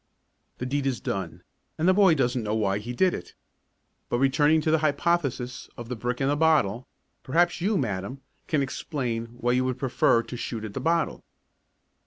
The deed is done, and the boy doesn't know why he did it. But returning to the hypothesis of the brick and the bottle, perhaps you, madam, can explain why you would prefer to shoot at the bottle.